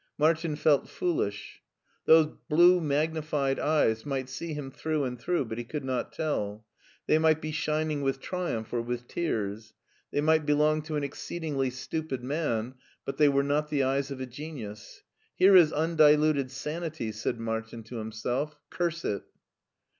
Martin felt foolish. Those blu^ magnified eyes might see him through and through, but he could not tell. They might be shining with triumph or with tears. They might belong to an exceedingly stupid man, but they were not the eyes of a genius. "Here is undiluted sanity," said Martin to himself ;" curse it